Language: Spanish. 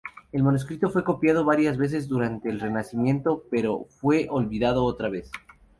El manuscrito fue copiado varias veces durante el Renacimiento, pero fue olvidado otra vez.